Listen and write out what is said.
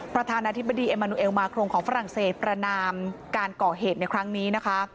ประธานาธิบดีเอมานูเอลมาโครงของฝรั่งเศสประนามการก่อเหตุในครั้งนี้นะคะ